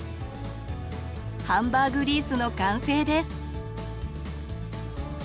ハンバーグリースの完成です。